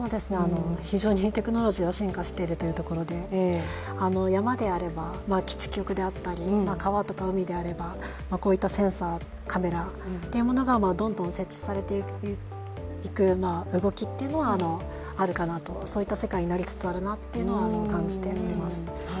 非常にテクノロジーは進化しているというところで、山であれば、基地局であったり川とか海であればこういったセンサー、カメラというものがどんどん設置されていく動きというのはあるかなと、そういった世界になりつつあるなというのは感じております。